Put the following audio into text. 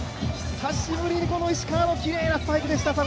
久しぶりに石川のきれいなスパイクでした。